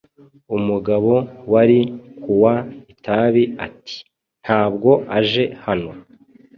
Umugabo wari kuwa itabi ati: "Ntabwo aje hano."